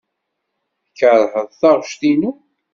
Tkeṛheḍ taɣect-inu.